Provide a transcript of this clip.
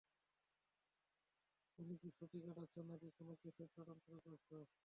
তুমি কি ছুটি কাটাচ্ছ নাকি কোনও কেসের তদন্ত করছ?